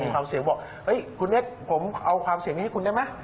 ความเสี่ยงบอกคุณเล็กผมเอาความเสี่ยงนี้ให้คุณได้ไหม